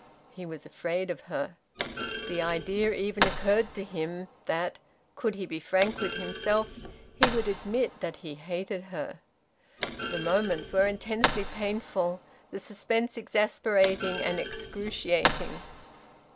He was afraid of her. The idea even occurred to him that, could he be frank with himself, he would admit that he hated her. The moments were intensely painful; the suspense exasperating and excruciating.